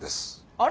あれ？